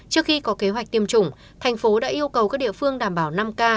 trước khi có kế hoạch tiêm chủng thành phố đã yêu cầu các địa phương đảm bảo năm k